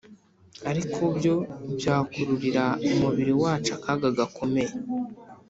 ariko byo byakururira umubiri wacu akaga gakomeye.